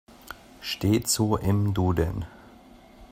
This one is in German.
Steht so im Duden.